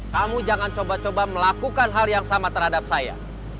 kamu jangan coba coba melakukan hal yang sama terhadap saya